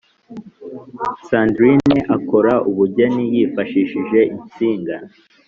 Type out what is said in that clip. sandrine akora ubugeni yifashishije insinga